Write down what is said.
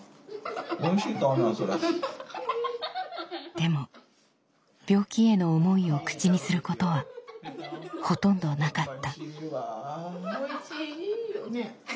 でも病気への思いを口にすることはほとんどなかった。